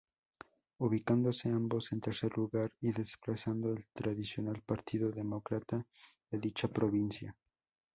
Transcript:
Ubicándose ambos en tercer lugar y desplazando al tradicional Partido Demócrata de dicha provincia.